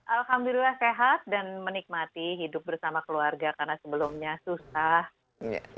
alhamdulillah sehat dan menikmati hidup bersama keluarga karena sebelumnya susah